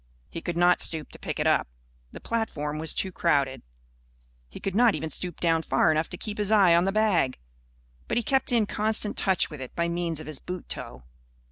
He could not stoop to pick it up. The platform was too crowded. He could not even stoop down far enough to keep his eye on the bag. But he kept in constant touch with it by means of his boot toe.